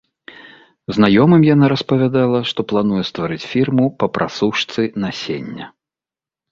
Знаёмым яна распавядала, што плануе стварыць фірму па прасушцы насення.